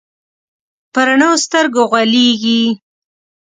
په رڼو سترګو غولېږي.